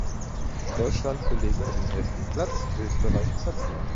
Deutschland belegte den elften Platz, Österreich Platz neun.